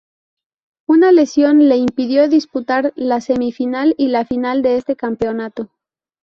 Una lesión le impidió disputar la semi-final y la final de este campeonato.